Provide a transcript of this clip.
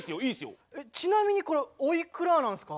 ちなみにこれおいくらなんすか？